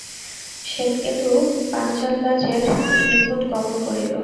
শ্বেতকেতু পাঞ্চালরাজের নিকট গমন করিল।